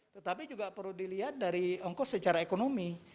tetapi juga perlu dilihat dari ongkos secara ekonomi